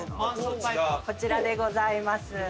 こちらでございます。